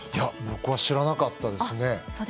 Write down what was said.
僕は知らなかったですね。